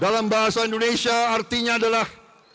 dalam bahasa indonesia artinya adalah